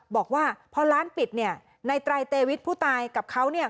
บอกว่าพอร้านปิดเนี่ยในไตรเตวิทผู้ตายกับเขาเนี่ย